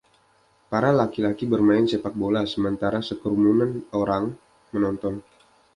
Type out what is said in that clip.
Para laki-laki bermain sepakbola sementara sekerumunan orang menonton.